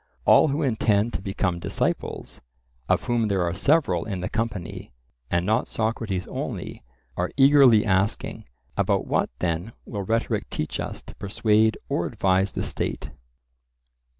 All who intend to become disciples, of whom there are several in the company, and not Socrates only, are eagerly asking:—About what then will rhetoric teach us to persuade or advise the state?